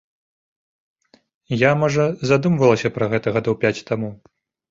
Я, можа, задумвалася пра гэта гадоў пяць таму.